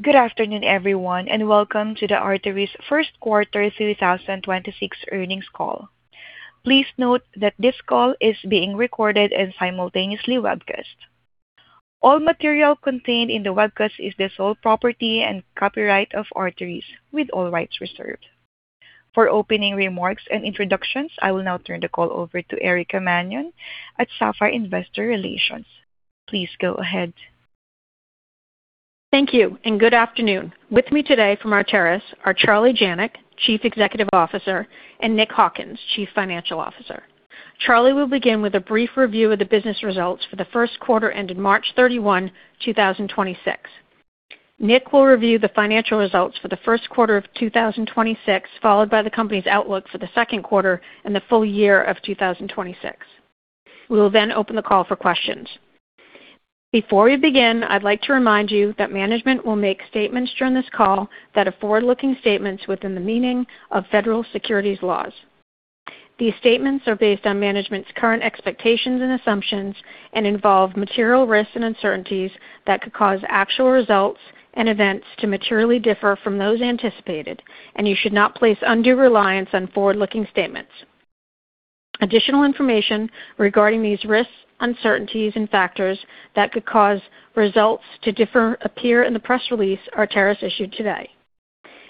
Good afternoon, everyone, and welcome to the Arteris first quarter 2026 earnings call. Please note that this call is being recorded and simultaneously webcast. All material contained in the webcast is the sole property and copyright of Arteris with all rights reserved. For opening remarks and introductions, I will now turn the call over to Erica Mannion at Sapphire Investor Relations. Please go ahead. Thank you and good afternoon. With me today from Arteris are Charlie Janac, Chief Executive Officer, and Nick Hawkins, Chief Financial Officer. Charlie will begin with a brief review of the business results for the first quarter ended March 31, 2026. Nick will review the financial results for the first quarter of 2026, followed by the company's outlook for the second quarter and the full year of 2026. We will open the call for questions. Before we begin, I'd like to remind you that management will make statements during this call that are forward-looking statements within the meaning of federal securities laws. These statements are based on management's current expectations and assumptions and involve material risks and uncertainties that could cause actual results and events to materially differ from those anticipated, and you should not place undue reliance on forward-looking statements. Additional information regarding these risks, uncertainties, and factors that could cause results to differ appear in the press release Arteris issued today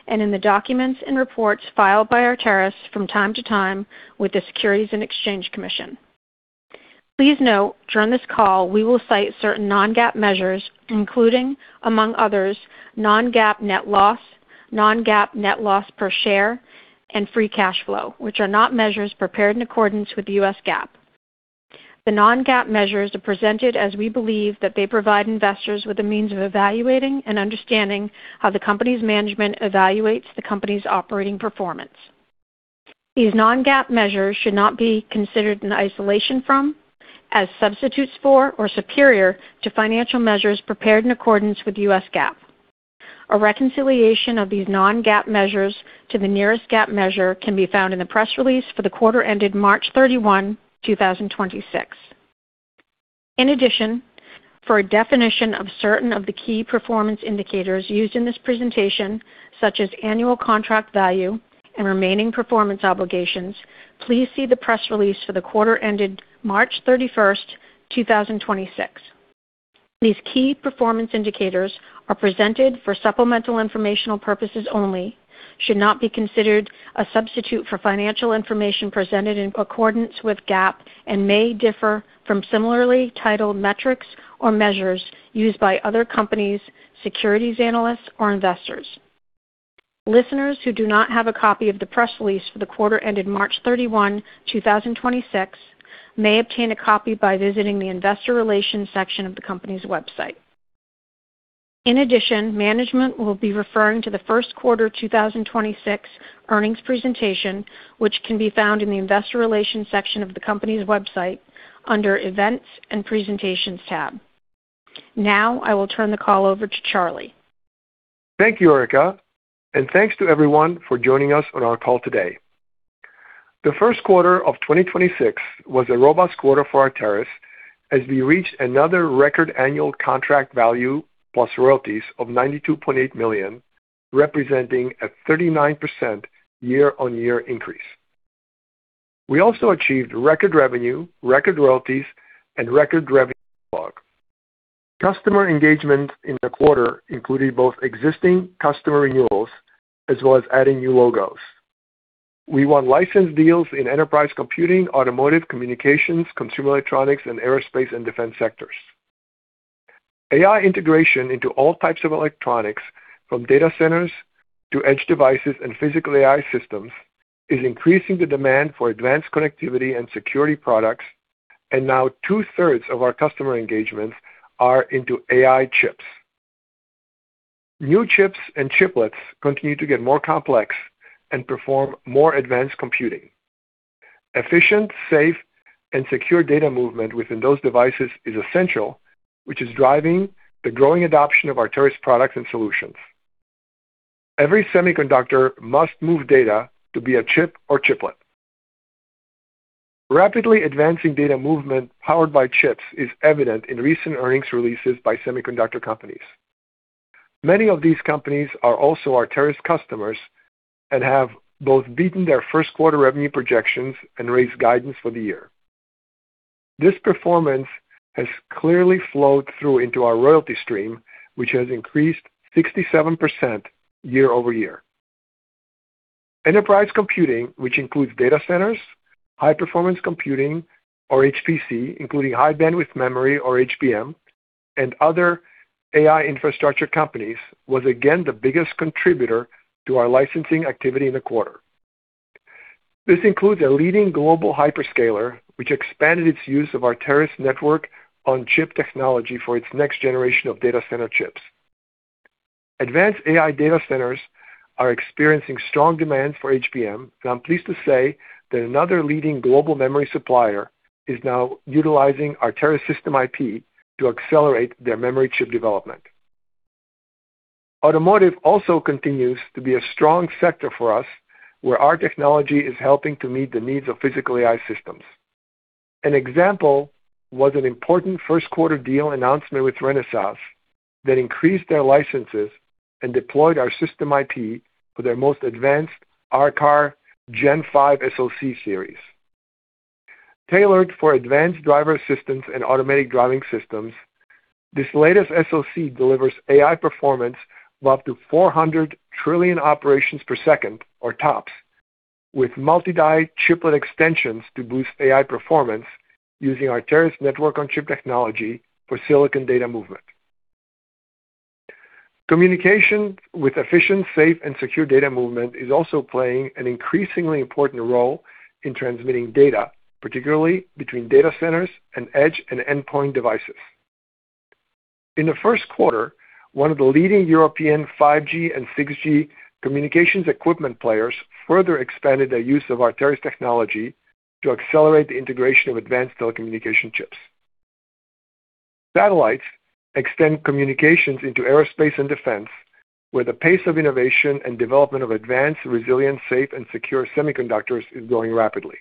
and in the documents and reports filed by Arteris from time to time with the Securities and Exchange Commission. Please note, during this call, we will cite certain non-GAAP measures, including, among others, non-GAAP net loss, non-GAAP net loss per share, and free cash flow, which are not measures prepared in accordance with the U.S. GAAP. The non-GAAP measures are presented as we believe that they provide investors with a means of evaluating and understanding how the company's management evaluates the company's operating performance. These non-GAAP measures should not be considered in isolation from, as substitutes for, or superior to financial measures prepared in accordance with U.S. GAAP. A reconciliation of these non-GAAP measures to the nearest GAAP measure can be found in the press release for the quarter ended March 31, 2026. In addition, for a definition of certain of the key performance indicators used in this presentation, such as annual contract value and remaining performance obligations, please see the press release for the quarter ended March 31, 2026. These key performance indicators are presented for supplemental informational purposes only, should not be considered a substitute for financial information presented in accordance with GAAP, and may differ from similarly titled metrics or measures used by other companies, securities analysts, or investors. Listeners who do not have a copy of the press release for the quarter ended March 31, 2026 may obtain a copy by visiting the investor relations section of the company's website. In addition, management will be referring to the first quarter 2026 earnings presentation, which can be found in the investor relations section of the company's website under Events and Presentations tab. Now I will turn the call over to Charlie. Thank you, Erica, and thanks to everyone for joining us on our call today. The first quarter of 2026 was a robust quarter for Arteris as we reached another record annual contract value plus royalties of $92.8 million, representing a 39% year-on-year increase. We also achieved record revenue, record royalties, and record revenue backlog. Customer engagement in the quarter included both existing customer renewals as well as adding new logos. We won license deals in enterprise computing, automotive communications, consumer electronics, and aerospace and defense sectors. AI integration into all types of electronics from data centers to edge devices and physical AI systems is increasing the demand for advanced connectivity and security products, and now 2/3 of our customer engagements are into AI chips. New chips and chiplets continue to get more complex and perform more advanced computing. Efficient, safe, and secure data movement within those devices is essential, which is driving the growing adoption of Arteris products and solutions. Every semiconductor must move data to be a chip or chiplet. Rapidly advancing data movement powered by chips is evident in recent earnings releases by semiconductor companies. Many of these companies are also Arteris customers and have both beaten their first quarter revenue projections and raised guidance for the year. This performance has clearly flowed through into our royalty stream, which has increased 67% year-over-year. Enterprise computing, which includes data centers, High Performance Computing or HPC, including High Bandwidth Memory or HBM, and other AI infrastructure companies, was again the biggest contributor to our licensing activity in the quarter. This includes a leading global hyperscaler, which expanded its use of Arteris' Network-on-Chip technology for its next generation of data center chips. Advanced AI data centers are experiencing strong demand for HBM, and I'm pleased to say that another leading global memory supplier is now utilizing Arteris system IP to accelerate their memory chip development. Automotive also continues to be a strong sector for us, where our technology is helping to meet the needs of physical AI systems. An example was an important first quarter deal announcement with Renesas that increased their licenses and deployed our system IP for their most advanced R-Car Gen 5 SoC series. Tailored for advanced driver assistance and automatic driving systems, this latest SoC delivers AI performance of up to 400 trillion operations per second, or TOPS, with multi-die chiplet extensions to boost AI performance using Arteris' Network-on-Chip technology for silicon data movement. Communication with efficient, safe, and secure data movement is also playing an increasingly important role in transmitting data, particularly between data centers and edge and endpoint devices. In the first quarter, one of the leading European 5G and 6G communications equipment players further expanded their use of Arteris technology to accelerate the integration of advanced telecommunication chips. Satellites extend communications into aerospace and defense, where the pace of innovation and development of advanced, resilient, safe, and secure semiconductors is growing rapidly.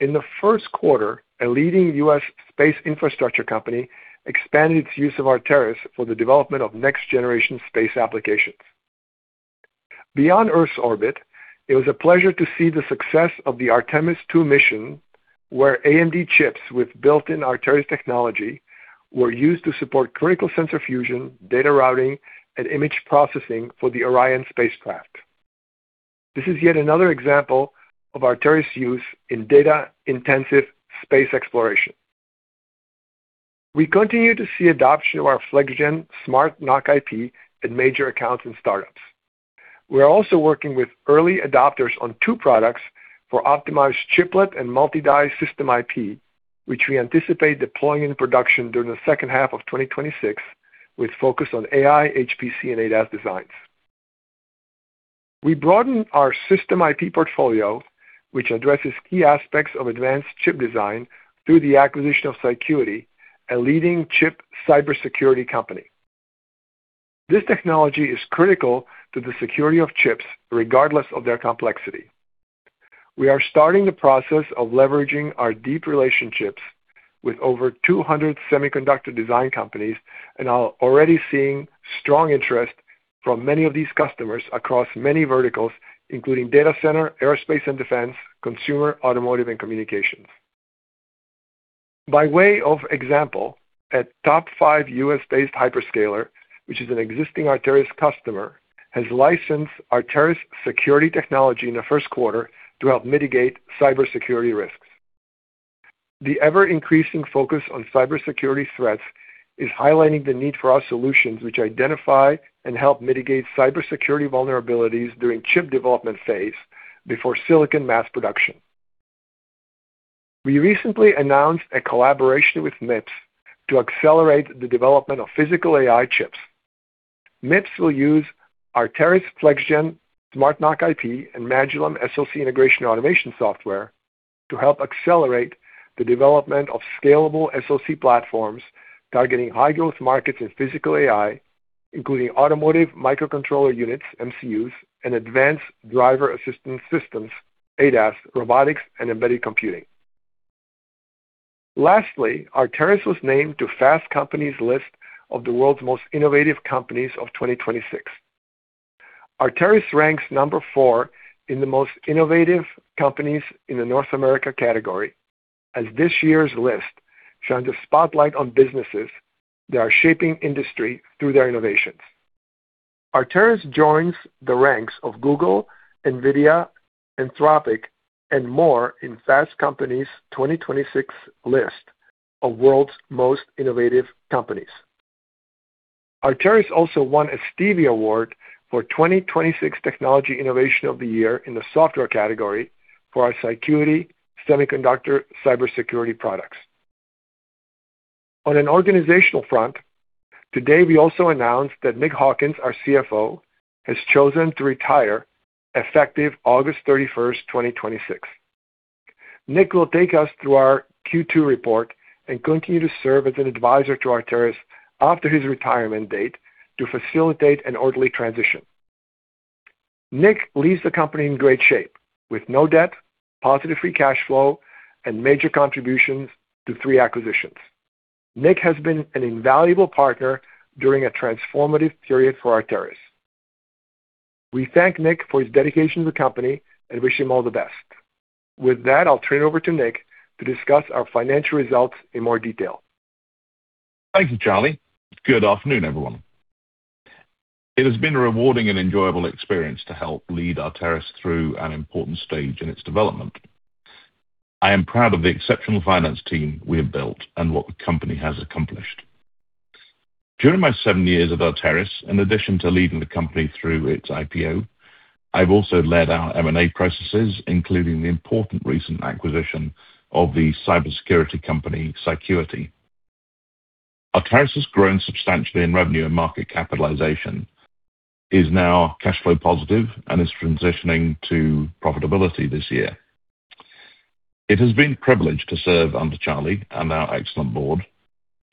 In the first quarter, a leading U.S. space infrastructure company expanded its use of Arteris for the development of next-generation space applications. Beyond Earth's orbit, it was a pleasure to see the success of the Artemis 2 mission, where AMD chips with built-in Arteris technology were used to support critical sensor fusion, data routing, and image processing for the Orion spacecraft. This is yet another example of Arteris use in data-intensive space exploration. We continue to see adoption of our FlexGen smart NoC IP at major accounts and startups. We are also working with early adopters on 2 products for optimized chiplet and multi-die system IP, which we anticipate deploying in production during the second half of 2026, with focus on AI, HPC, and ADAS designs. We broadened our system IP portfolio, which addresses key aspects of advanced chip design through the acquisition of Cycuity, a leading chip cybersecurity company. This technology is critical to the security of chips regardless of their complexity. We are starting the process of leveraging our deep relationships with over 200 semiconductor design companies and are already seeing strong interest from many of these customers across many verticals, including data center, aerospace and defense, consumer, automotive, and communications. By way of example, a top five U.S.-based hyperscaler, which is an existing Arteris customer, has licensed Arteris security technology in the first quarter to help mitigate cybersecurity risks. The ever-increasing focus on cybersecurity threats is highlighting the need for our solutions, which identify and help mitigate cybersecurity vulnerabilities during chip development phase before silicon mass production. We recently announced a collaboration with MIPS to accelerate the development of physical AI chips. MIPS will use Arteris' FlexGen smart NoC IP and Magillem SoC integration automation software to help accelerate the development of scalable SoC platforms targeting high-growth markets in physical AI, including automotive microcontroller units, MCUs, and advanced driver assistance systems, ADAS, robotics, and embedded computing. Lastly, Arteris was named to Fast Company's list of the world's most innovative companies of 2026. Arteris ranks number four in the most innovative companies in the North America category, as this year's list shines a spotlight on businesses that are shaping industry through their innovations. Arteris joins the ranks of Google, Nvidia, Anthropic, and more in Fast Company's 2026 list of world's most innovative companies. Arteris also won a Stevie Award for 2026 Technology Innovation of the Year in the software category for our Cycuity semiconductor cybersecurity products. On an organizational front, today, we also announced that Nick Hawkins, our CFO, has chosen to retire effective August 31, 2026. Nick will take us through our Q2 report and continue to serve as an advisor to Arteris after his retirement date to facilitate an orderly transition. Nick leaves the company in great shape with no debt, positive free cash flow, and major contributions to three acquisitions. Nick has been an invaluable partner during a transformative period for Arteris. We thank Nick for his dedication to the company and wish him all the best. With that, I'll turn it over to Nick to discuss our financial results in more detail. Thank you, Charlie. Good afternoon, everyone. It has been a rewarding and enjoyable experience to help lead Arteris through an important stage in its development. I am proud of the exceptional finance team we have built and what the company has accomplished. During my seven years at Arteris, in addition to leading the company through its IPO, I've also led our M&A processes, including the important recent acquisition of the cybersecurity company, Cycuity. Arteris has grown substantially in revenue and market capitalization, is now cash flow positive, and is transitioning to profitability this year. It has been a privilege to serve under Charlie and our excellent Board,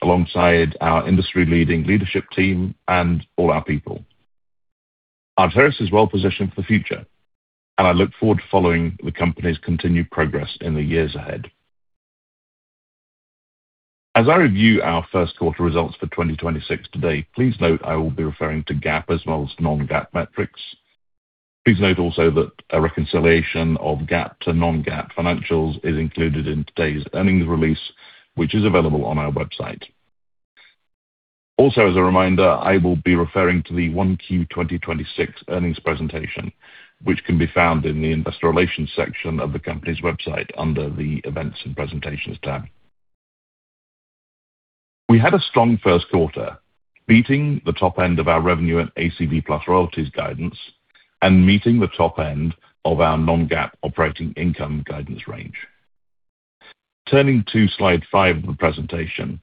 alongside our industry-leading Leadership Team and all our people. Arteris is well positioned for the future, and I look forward to following the company's continued progress in the years ahead. As I review our first quarter results for 2026 today, please note I will be referring to GAAP as well as non-GAAP metrics. Please note also that a reconciliation of GAAP to non-GAAP financials is included in today's earnings release, which is available on our website. Also, as a reminder, I will be referring to the Q1 2026 earnings presentation, which can be found in the investor relations section of the company's website under the Events and Presentations tab. We had a strong first quarter, beating the top end of our revenue and ACV plus royalties guidance and meeting the top end of our non-GAAP operating income guidance range. Turning to slide five of the presentation.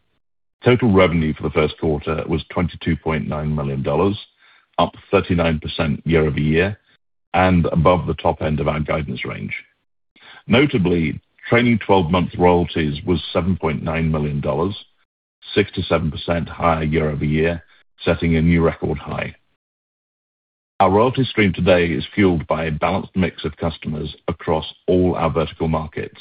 Total revenue for the first quarter was $22.9 million, up 39% year-over-year and above the top end of our guidance range. Notably, trailing 12-month royalties was $7.9 million, 67% higher year-over-year, setting a new record high. Our royalty stream today is fueled by a balanced mix of customers across all our vertical markets.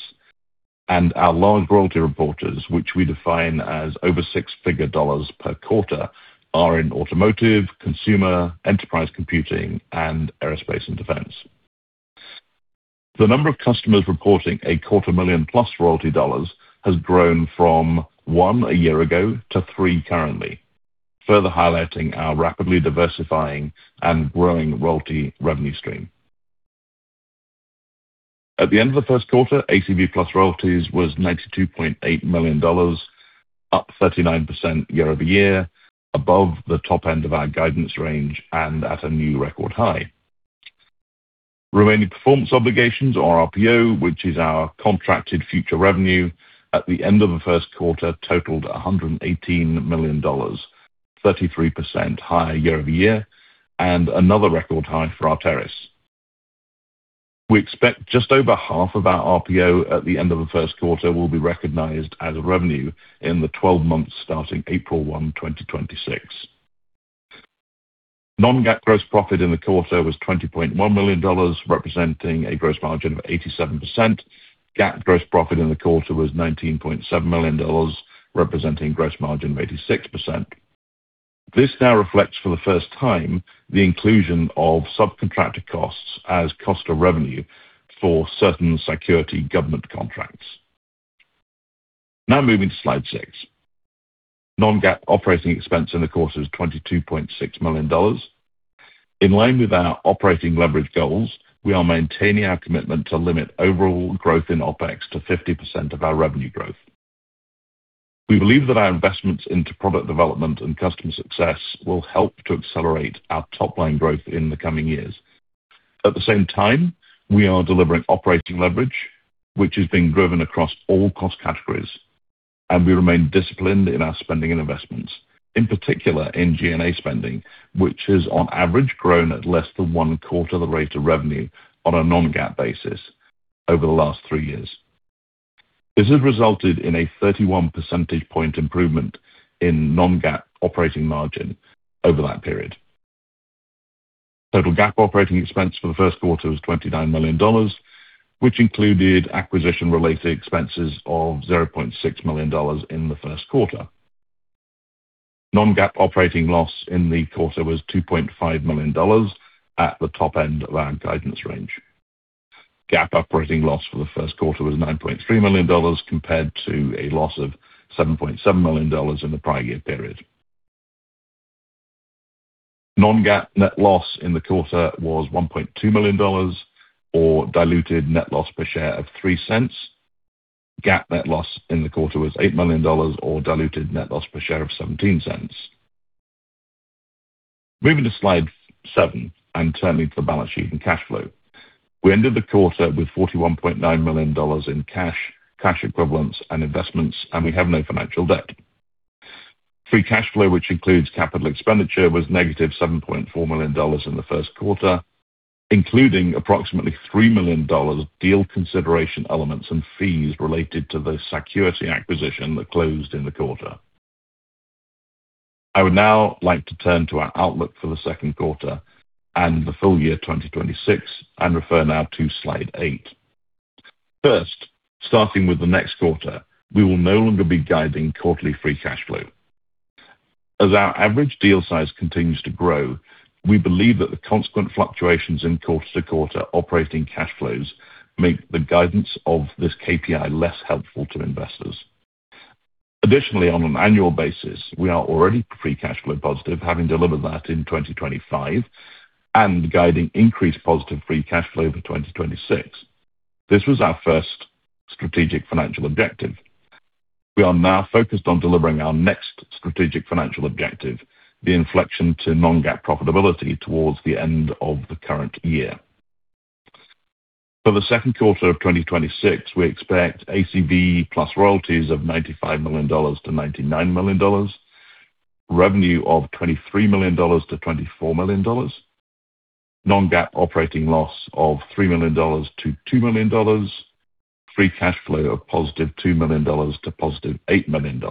Our large royalty reporters, which we define as over six-figure dollars per quarter, are in automotive, consumer, enterprise computing, and aerospace and defense. The number of customers reporting a quarter million-plus royalty dollars has grown from one a year ago to three currently, further highlighting our rapidly diversifying and growing royalty revenue stream. At the end of the first quarter, ACV plus royalties was $92.8 million, up 39% year-over-year, above the top end of our guidance range and at a new record high. Remaining performance obligations, or RPO, which is our contracted future revenue at the end of the first quarter totaled $118 million, 33% higher year-over-year and another record high for Arteris. We expect just over half of our RPO at the end of the first quarter will be recognized as revenue in the 12 months starting April 1, 2026. Non-GAAP gross profit in the quarter was $20.1 million, representing a gross margin of 87%. GAAP gross profit in the quarter was $19.7 million, representing gross margin of 86%. This now reflects for the first time the inclusion of subcontractor costs as cost of revenue for certain security government contracts. Now moving to slide six. Non-GAAP operating expense in the quarter is $22.6 million. In line with our operating leverage goals, we are maintaining our commitment to limit overall growth in OpEx to 50% of our revenue growth. We believe that our investments into product development and customer success will help to accelerate our top line growth in the coming years. At the same time, we are delivering operating leverage, which is being driven across all cost categories, and we remain disciplined in our spending and investments, in particular in G&A spending, which has on average grown at less than 1/4 of the rate of revenue on a non-GAAP basis over the last three years. This has resulted in a 31 percentage point improvement in non-GAAP operating margin over that period. Total GAAP operating expense for the first quarter was $29 million, which included acquisition-related expenses of $0.6 million in the first quarter. non-GAAP operating loss in the quarter was $2.5 million at the top end of our guidance range. GAAP operating loss for the first quarter was $9.3 million compared to a loss of $7.7 million in the prior year period. non-GAAP net loss in the quarter was $1.2 million or diluted net loss per share of $0.03. GAAP net loss in the quarter was $8 million or diluted net loss per share of $0.17. Moving to slide seven and turning to the balance sheet and cash flow. We ended the quarter with $41.9 million in cash equivalents, and investments, and we have no financial debt. Free cash flow, which includes capital expenditure, was negative $7.4 million in the first quarter, including approximately $3 million deal consideration elements and fees related to the Cycuity acquisition that closed in the quarter. I would now like to turn to our outlook for the second quarter and the full year 2026 and refer now to slide 8. First, starting with the next quarter, we will no longer be guiding quarterly free cash flow. As our average deal size continues to grow, we believe that the consequent fluctuations in quarter-to-quarter operating cash flows make the guidance of this KPI less helpful to investors. Additionally, on an annual basis, we are already free cash flow positive, having delivered that in 2025 and guiding increased positive free cash flow for 2026. This was our first strategic financial objective. We are now focused on delivering our next strategic financial objective, the inflection to non-GAAP profitability towards the end of the current year. For the second quarter of 2026, we expect ACV plus royalties of $95 million-$99 million, revenue of $23 million-$24 million, non-GAAP operating loss of $3 million-$2 million, free cash flow of +$2 million-+$8 million.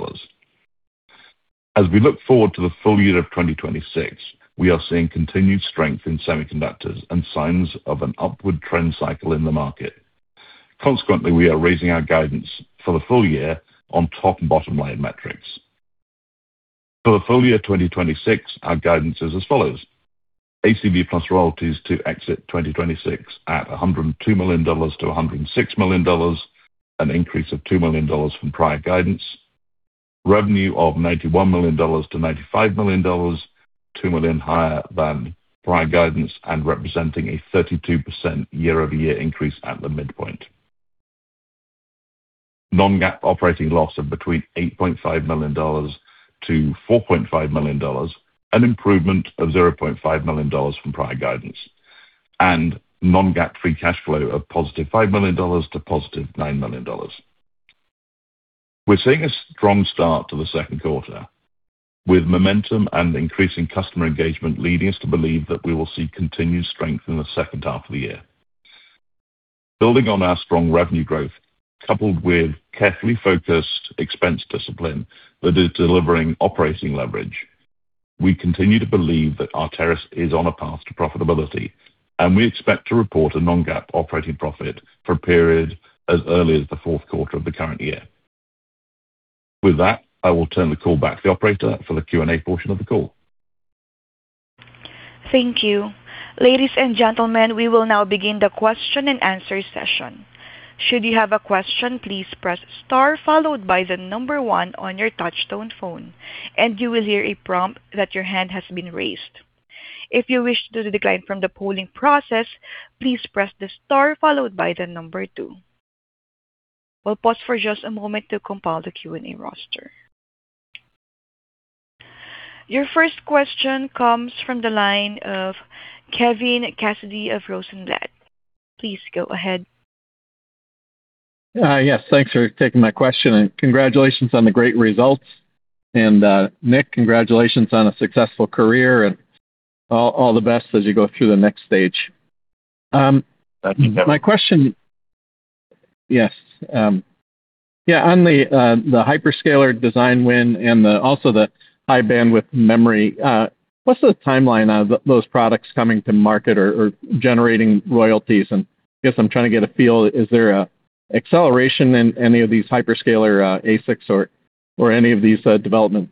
As we look forward to the full year of 2026, we are seeing continued strength in semiconductors and signs of an upward trend cycle in the market. Consequently, we are raising our guidance for the full year on top and bottom line metrics. For the full year 2026, our guidance is as follows: ACV plus royalties to exit 2026 at $102 million-$106 million, an increase of $2 million from prior guidance. Revenue of $91 million-$95 million, $2 million higher than prior guidance, and representing a 32% year-over-year increase at the midpoint. Non-GAAP operating loss of between $8.5 million-$4.5 million, an improvement of $0.5 million from prior guidance. Non-GAAP free cash flow of +$5 million-+$9 million. We're seeing a strong start to the second quarter, with momentum and increasing customer engagement leading us to believe that we will see continued strength in the second half of the year. Building on our strong revenue growth, coupled with carefully focused expense discipline that is delivering operating leverage, we continue to believe that Arteris is on a path to profitability, and we expect to report a non-GAAP operating profit for a period as early as the fourth quarter of the current year. With that, I will turn the call back to the operator for the Q&A portion of the call. Thank you. Ladies and gentlemen, we will now begin the Q&A session. Should you have a question, please press star followed by the number one on your touch tone phone, and you will hear a prompt that your hand has been raised. If you wish to decline from the polling process, please press the star followed by the number two. We'll pause for just a moment to compile the Q&A roster. Your first question comes from the line of Kevin Cassidy of Rosenblatt. Please go ahead. Yes, thanks for taking my question, and congratulations on the great results. Nick, congratulations on a successful career, and all the best as you go through the next stage. Thank you, Kevin. My question Yes. Yeah, on the hyperscaler design win and the, also the high bandwidth memory, what's the timeline of those products coming to market or generating royalties? I guess I'm trying to get a feel, is there a acceleration in any of these hyperscaler ASICs or any of these development?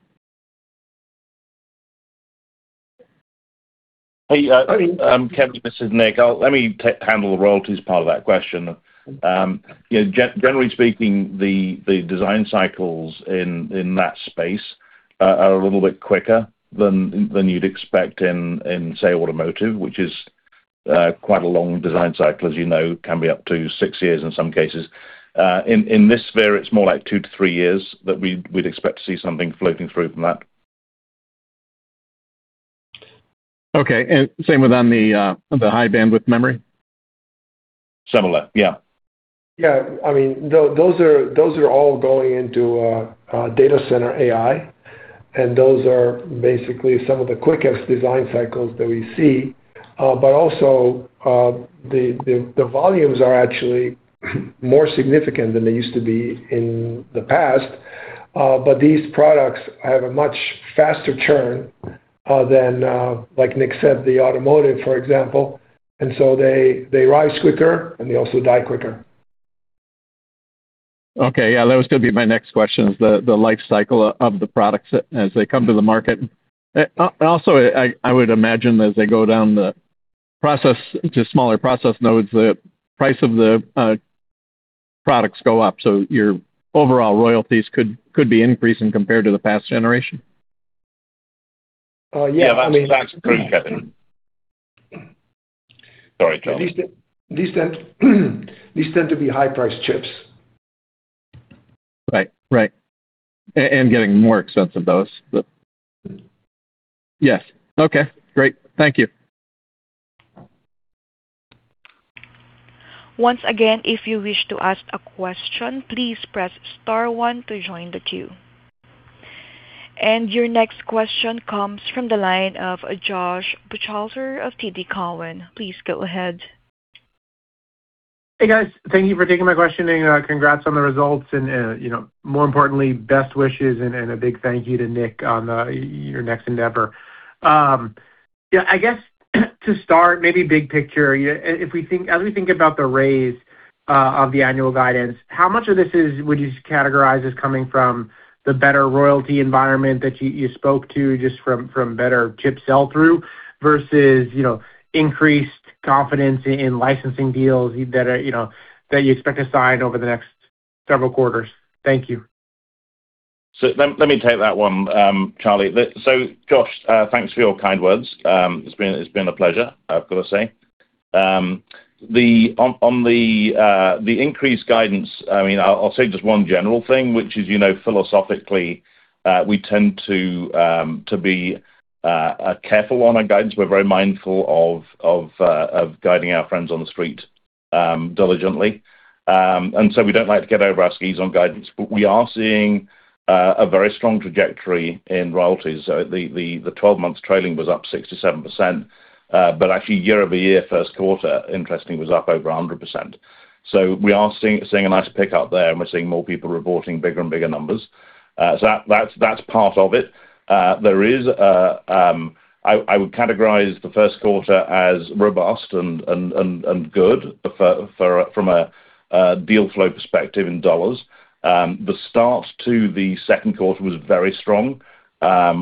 Hey. Sorry. Kevin, this is Nick. Let me handle the royalties part of that question. You know, generally speaking, the design cycles in that space are a little bit quicker than you'd expect in, say, automotive, which is quite a long design cycle, as you know, can be up to six years in some cases. In this sphere, it's more like two to three years that we'd expect to see something floating through from that. Okay. Same with on the High Bandwidth Memory? Similar. Yeah. Yeah. I mean, those are all going into data center AI, those are basically some of the quickest design cycles that we see. Also, the volumes are actually more significant than they used to be in the past. These products have a much faster churn than like Nick said, the automotive, for example. They rise quicker and they also die quicker. Okay. Yeah, that was gonna be my next question is the life cycle of the products as they come to the market. Also, I would imagine as they go down the process to smaller process nodes, the price of the products go up, so your overall royalties could be increasing compared to the past generation. yeah. I mean. Yeah, that's true, Kevin. Sorry, Charlie. These tend to be high-priced chips. Right. Right. And getting more expensive, those. Yes. Okay, great. Thank you. Once again, if you wish to ask a question, please press star one to join the queue. Your next question comes from the line of Joshua Buchalter of TD Cowen. Please go ahead. Hey, guys. Thank you for taking my question. Congrats on the results. You know, more importantly, best wishes and a big thank you to Nick on your next endeavor. Yeah, I guess to start maybe big picture, as we think about the raise of the annual guidance, how much of this would you categorize as coming from the better royalty environment that you spoke to just from better chip sell-through versus, you know, increased confidence in licensing deals that are, you know, that you expect to sign over the next several quarters? Thank you. Let me take that one, Charlie. Josh, thanks for your kind words. It's been a pleasure, I've got to say. On the increased guidance, I'll say just one general thing, which is, you know, philosophically, we tend to be careful on our guidance. We're very mindful of guiding our friends on the street diligently. We don't like to get over our skis on guidance, but we are seeing a very strong trajectory in royalties. The 12 months trailing was up 67%. Actually year-over-year first quarter, interestingly, was up over 100%. We are seeing a nice pick up there, and we're seeing more people reporting bigger and bigger numbers. That's part of it. There is, I would categorize the first quarter as robust and good for a deal flow perspective in dollars. The start to the second quarter was very strong.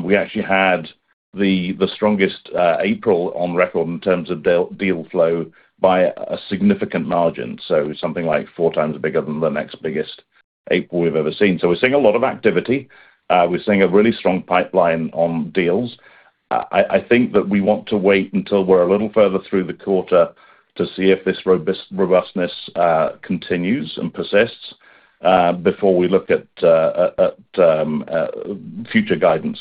We actually had the strongest April on record in terms of deal flow by a significant margin. Something like 4x bigger than the next biggest April we've ever seen. We're seeing a lot of activity. We're seeing a really strong pipeline on deals. I think that we want to wait until we're a little further through the quarter to see if this robustness continues and persists before we look at future guidance.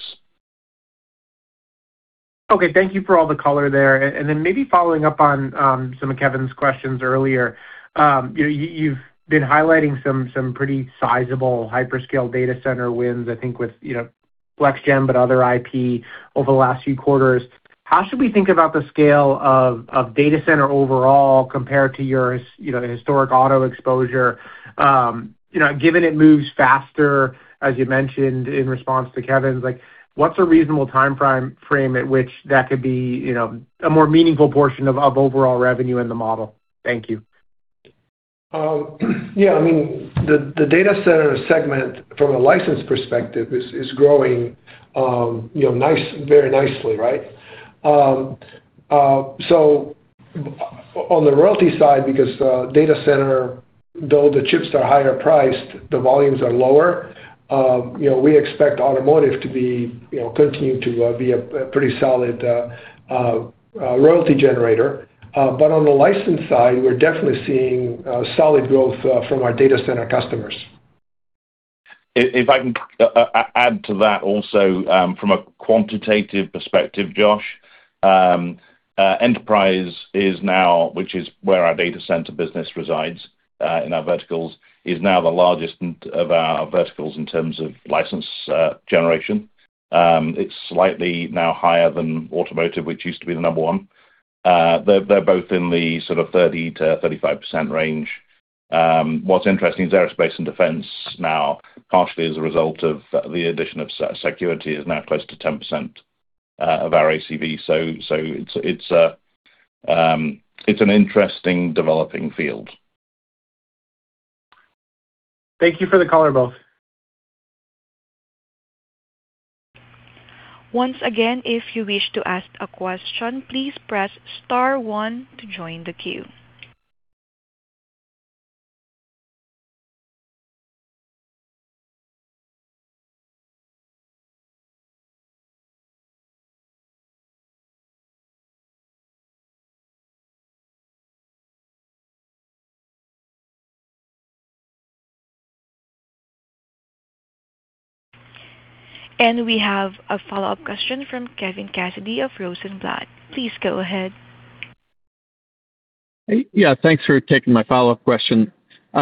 Okay. Thank you for all the color there. And then maybe following up on some of Kevin's questions earlier. You know, you've been highlighting some pretty sizable hyperscale data center wins, I think with, you know, FlexGen, but other IP over the last few quarters. How should we think about the scale of data center overall compared to your, you know, the historic auto exposure? You know, given it moves faster, as you mentioned in response to Kevin's, like, what's a reasonable timeframe at which that could be, you know, a more meaningful portion of overall revenue in the model? Thank you. Yeah, I mean, the data center segment from a license perspective is growing, you know, very nicely, right? On the royalty side, because data center, though the chips are higher priced, the volumes are lower, you know, we expect automotive to be, you know, continue to be a pretty solid royalty generator. On the license side, we're definitely seeing solid growth from our data center customers. If I can add to that also, from a quantitative perspective, Josh, Enterprise is now, which is where our data center business resides, in our verticals, is now the largest of our verticals in terms of license generation. It's slightly now higher than automotive, which used to be the number one. They're both in the sort of 30%-35% range. What's interesting is aerospace and defense now, partially as a result of the addition of Cycuity, is now close to 10% of our ACV. It's an interesting developing field. Thank you for the color, both. Once again, if you wish to ask a question, please press star 1 to join the queue. We have a follow-up question from Kevin Cassidy of Rosenblatt. Please go ahead. Hey. Yeah, thanks for taking my follow-up question.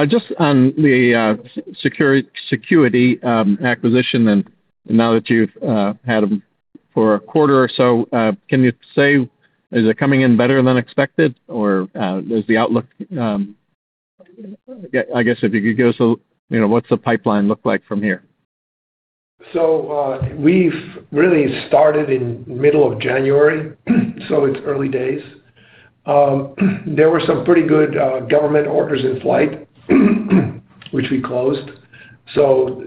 Just on the Cycuity acquisition and now that you've had them for a quarter or so, can you say is it coming in better than expected? Yeah, I guess if you could give us a, you know, what's the pipeline look like from here? We've really started in middle of January, so it's early days. There were some pretty good government orders in flight, which we closed.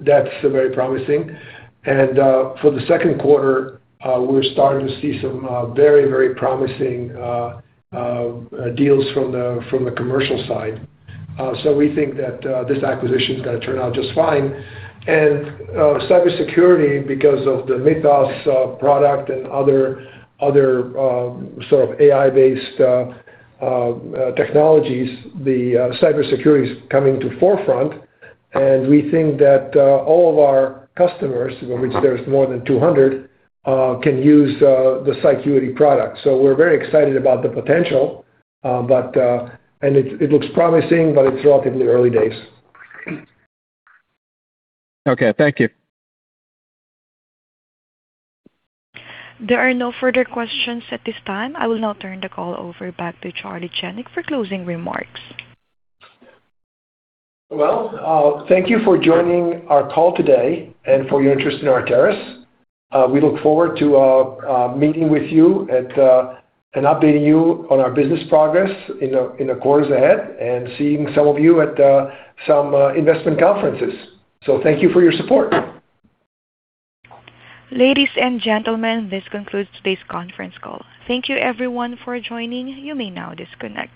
That's very promising. For the second quarter, we're starting to see some very, very promising deals from the commercial side. We think that this acquisition is gonna turn out just fine. Cybersecurity, because of the Mythos] product and other sort of AI-based technologies, the cybersecurity is coming to forefront. We think that all of our customers, of which there's more than 200, can use the Cycuity product. We're very excited about the potential, but it looks promising, but it's relatively early days. Okay. Thank you. There are no further questions at this time. I will now turn the call over back to Charlie Janac for closing remarks. Well, thank you for joining our call today and for your interest in Arteris. We look forward to meeting with you at and updating you on our business progress in the quarters ahead and seeing some of you at some investment conferences. Thank you for your support. Ladies and gentlemen, this concludes today's conference call. Thank you everyone for joining. You may now disconnect.